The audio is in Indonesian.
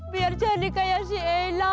biar jadi kayak si enak